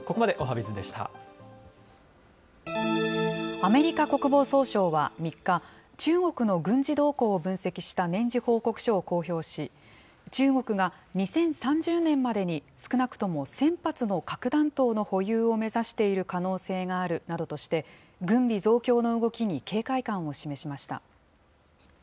アメリカ国防総省は３日、中国の軍事動向を分析した年次報告書を公表し、中国が２０３０年までに、少なくとも１０００発の核弾頭の保有を目指している可能性があるなどとして、軍備増強の動きに警戒感を示しました。